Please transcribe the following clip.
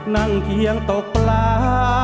นั่งเคียงตกลา